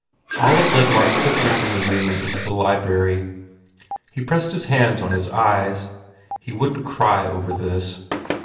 Olive led Mark quickly from the room into the library. He pressed his hands on his eyes. He wouldn t cry over this.